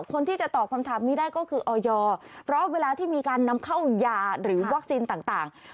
คนที่จะตอบคำถามนี้ได้ก็คือออยเพราะเวลาที่มีการนำเข้ายาหรือวัคซีนต่าง